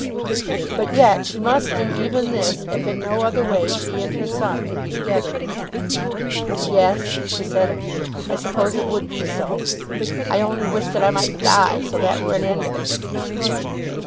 But yet she must do even this if in no other way she and her son could be together. "Yes," she said, "I suppose it would be so. I only wish that I might die, so that were an end of it."